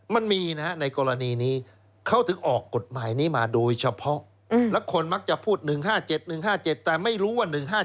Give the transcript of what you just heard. มันมีนะฮะในกรณีนี้เขาถึงออกกฎหมายนี้มาโดยเฉพาะแล้วคนมักจะพูด๑๕๗๑๕๗แต่ไม่รู้ว่า๑๕๗